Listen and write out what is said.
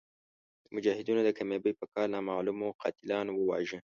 د مجاهدینو د کامیابۍ په کال نامعلومو قاتلانو وواژه.